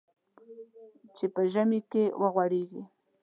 چې په ژمي کې وغوړېږي .